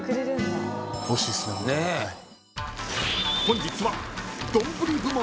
［本日は］